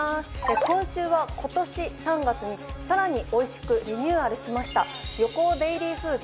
今週は今年３月にさらにおいしくリニューアルしましたヨコオデイリーフーズ